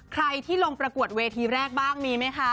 ใครที่ลงประกวดเวทีแรกบ้างมีไหมคะ